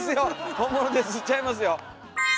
本物ですちゃいますよ！